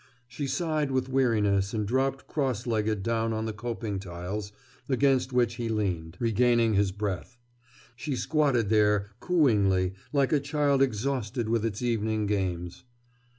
She sighed with weariness and dropped cross legged down on the coping tiles against which he leaned, regaining his breath. She squatted there, cooingly, like a child exhausted with its evening games.